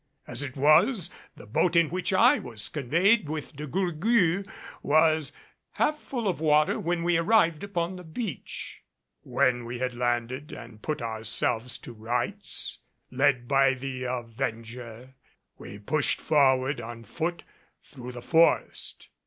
As it was, the boat in which I was conveyed with De Gourgues was half full of water when we arrived upon the beach. When we had landed and put ourselves to rights, led by the Avenger, we pushed forward on foot through the forest.